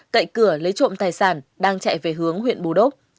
cậy cửa lấy trộm tài sản đang chạy về hướng huyện bù đốc